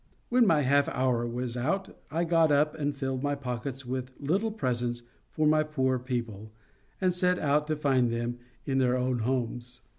When my half hour was out, I got up and filled my pockets with little presents for my poor people, and set out to find them in their own homes.